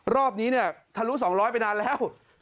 รอบนี้ทะลุ๒๐๐ไปนานแล้ว